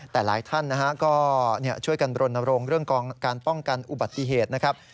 แต่หลายท่านนะฮะก็ช่วยกันรณรงค์เรื่องของการป้องกันอุบัติเหตุนะครับ